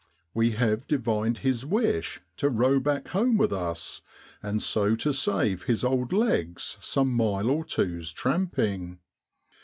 We have divined his wish to row back home with us, and so to save his old legs some mile or two's tramping.